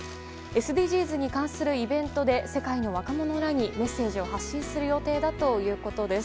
ＳＤＧｓに関するイベントで世界の若者らにメッセージを発信する予定だということです。